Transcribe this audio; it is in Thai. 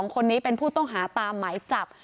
๒คนนี้เป็นผู้ต้องหาตามหมายจับ